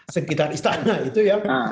sekitar istana itu ya